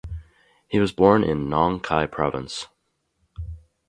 He was born in Nong Khai Province.